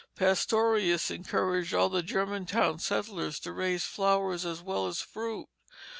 Pastorius encouraged all the Germantown settlers to raise flowers as well as fruit.